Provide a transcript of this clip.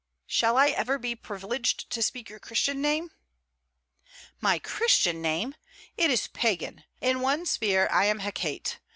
shall I ever be privileged to speak your Christian name?' 'My Christian name! It is Pagan. In one sphere I am Hecate.